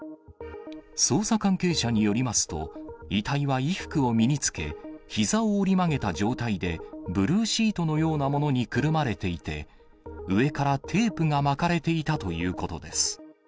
捜査関係者によりますと、遺体は衣服を身につけ、ひざを折り曲げた状態で、ブルーシートのようなものにくるまれていて、上からテープが巻かれていたということです。